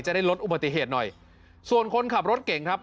ได้ลดอุบัติเหตุหน่อยส่วนคนขับรถเก่งครับ